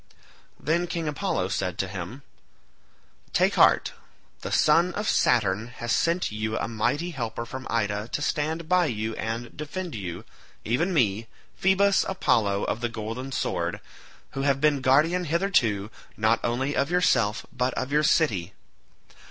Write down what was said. Then King Apollo said to him, "Take heart; the son of Saturn has sent you a mighty helper from Ida to stand by you and defend you, even me, Phoebus Apollo of the golden sword, who have been guardian hitherto not only of yourself but of your city.